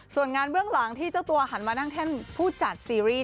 ส่วนงานเบื้องหลังที่เจ้าตัวหันมานั่งแท่นผู้จัดซีรีส์